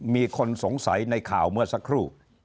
มีคนสงสัยในข่าวเมื่อสักครู่